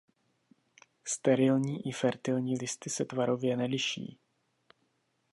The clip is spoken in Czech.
Sterilní i fertilní listy se tvarově neliší.